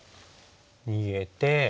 逃げて。